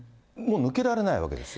抜けられないわけですよ。